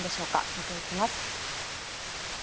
見ていきます。